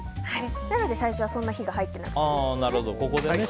なので最初はそんなに火が入ってなくてもいいですね。